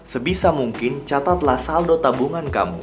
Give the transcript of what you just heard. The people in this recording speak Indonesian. sebisa mungkin catatlah saldo tabungan kamu